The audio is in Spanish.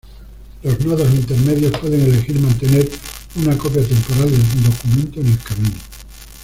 Los nodos intermedios pueden elegir mantener una copia temporal del documento en el camino.